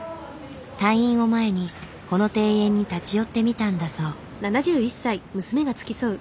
退院を前にこの庭園に立ち寄ってみたんだそう。